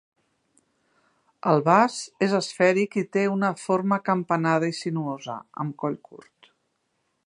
El vas és esfèric i té una forma acampanada i sinuosa, amb coll curt.